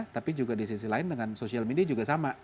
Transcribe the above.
tapi juga di sisi lain dengan social media juga sama